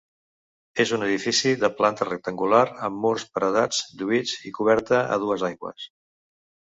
És un edifici de planta rectangular amb murs paredats, lluïts, i coberta a dues aigües.